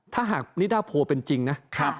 ถ้าหากนิดาโพลเป็นจริงนะ